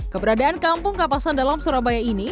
keberadaan kampung kapasan dalam surabaya ini